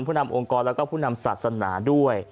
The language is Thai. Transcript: ผู้นำองค์กรและผู้นำศาสนาด้วย